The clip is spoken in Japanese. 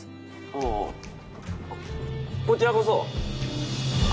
ああこちらこそ。